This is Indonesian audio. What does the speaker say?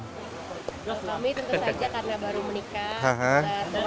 kalau kami tentu saja karena baru menikah